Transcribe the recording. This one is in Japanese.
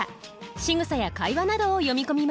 しぐさや会話などを詠み込みます。